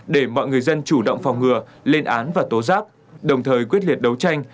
để mọi người dân chủ động phòng ngừa lên án và tố giác đồng thời quyết liệt đấu tranh